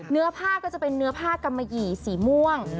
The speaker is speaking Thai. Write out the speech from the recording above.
เนื้อผ้าก็จะเป็นเนื้อผ้ากำมะหยี่สีม่วง